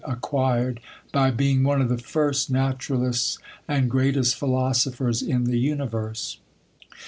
acquired, by being one of the first naturalists and greatest philosophers in the universe.